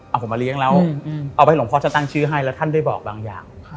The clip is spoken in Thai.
เอาผมมาเลี้ยงแล้วเอาไปหลวงพ่อจะตั้งชื่อให้แล้วท่านได้บอกบางอย่าง